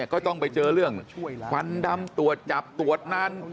ก็ต้องไปเจอเรื่องควันดำตรวจจับตรวจนาน